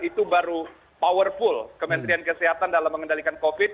itu baru powerful kementerian kesehatan dalam mengendalikan covid